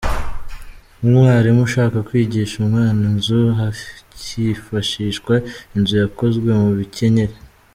Nk’umwarimu ushaka kwigisha umwana inzu, hakifashishwa inzu yakozwe mu bikenyeri.